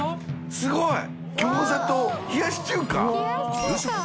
すごい！ギョーザと冷やし中華？